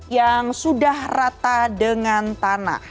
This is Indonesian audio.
yang sudah rata dengan tanah